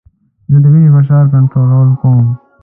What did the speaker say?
زه د وینې فشار کنټرول کوم.